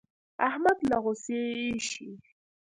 احمد له غوسې اېشي.